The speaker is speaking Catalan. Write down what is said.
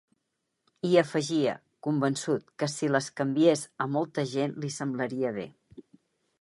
I afegia, convençut, que si les canviés ‘a molta gent li semblaria bé’.